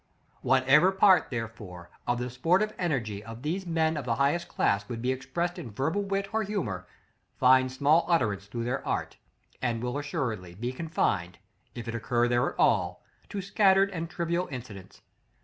Whatever part, therefore, of the sportive energy of these men of the highest class would be expressed in verbal wit or humor finds small utterance through their art, and will assuredly be confined, if it occur there at all, to scattered and trivial incidents.